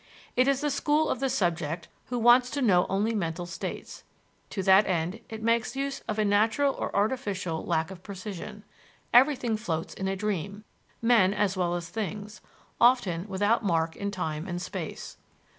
It is the school of the subject "who wants to know only mental states." To that end, it makes use of a natural or artificial lack of precision: everything floats in a dream, men as well as things, often without mark in time and space.